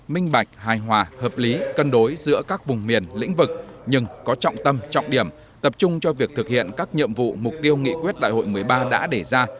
minh bạch hài hòa hợp lý cân đối giữa các vùng miền lĩnh vực nhưng có trọng tâm trọng điểm tập trung cho việc thực hiện các nhiệm vụ mục tiêu nghị quyết đại hội một mươi ba đã đề ra